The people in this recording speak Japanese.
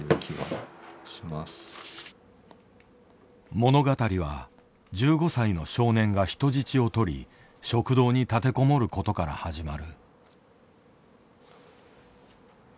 物語は１５歳の少年が人質をとり食堂に立てこもることから始まる。